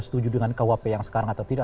setuju dengan kuap yang sekarang atau tidak